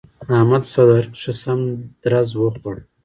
احمد په سوداګرۍ کې ښه سم درز و خوړ.